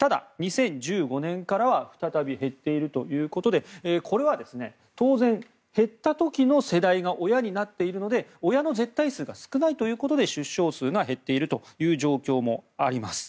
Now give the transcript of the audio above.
ただ、２０１５年からは再び減っているということでこれは当然、減った時の世代が親になっているので親の絶対数が少ないということで出生数が減っているという状況もあります。